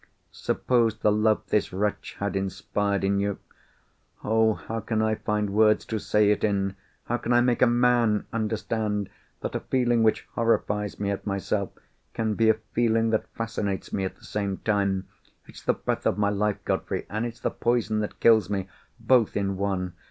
Suppose the love this wretch had inspired in you? Oh, how can I find words to say it in! How can I make a man understand that a feeling which horrifies me at myself, can be a feeling that fascinates me at the same time? It's the breath of my life, Godfrey, and it's the poison that kills me—both in one!